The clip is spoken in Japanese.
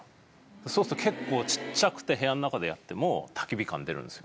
そうすると結構ちっちゃくて部屋の中でやってもたき火感出るんですよね。